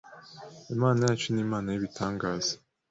Imana yacu ni Imana y’ibitangaza.